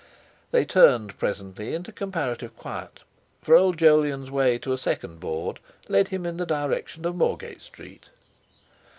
They turned presently into comparative quiet, for old Jolyon's way to a second Board led him in the direction of Moorage Street.